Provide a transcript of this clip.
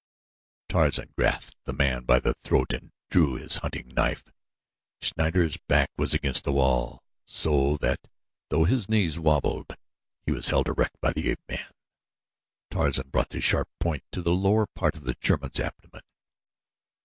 Tarzan grasped the man by the throat and drew his hunting knife. Schneider's back was against the wall so that though his knees wobbled he was held erect by the ape man. Tarzan brought the sharp point to the lower part of the German's abdomen.